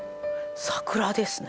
桜ですね。